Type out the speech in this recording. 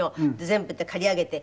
全部刈り上げて。